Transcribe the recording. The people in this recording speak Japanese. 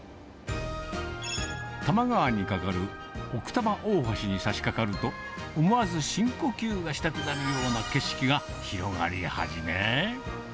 多摩川に架かる奥多摩大橋にさしかかると、思わず深呼吸がしたくなるような景色が広がり始め。